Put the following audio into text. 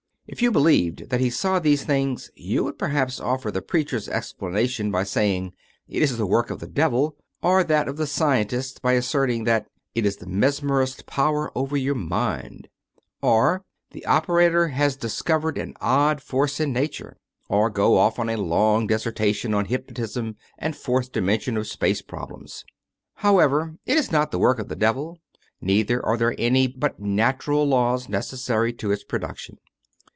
If you believed that he saw these things you would perhaps offer the preacher's explanation, by saying, " it is the work of the devil "; or that of the scientist, by asserting that " it is the mesmerist's power over your mind "; or " the operator has discovered an odd force in nature "; or go off on a long dissertation on hypnotism and fourth dimension of space problems. However, it is not the work of the devil, neither are there any but natural laws necessary to its production.